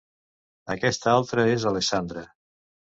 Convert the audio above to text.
Aquesta altra és Alessandra.